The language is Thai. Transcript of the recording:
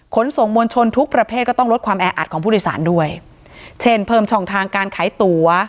ขนส่งมวลชนทุกประเภทก็ต้องลดความแออัดของผู้โดยสารด้วยเช่นเพิ่มช่องทางการขายตั๋ว